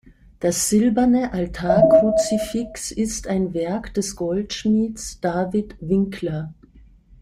Das silberne Altarkruzifix ist ein Werk des Goldschmieds David Winkler.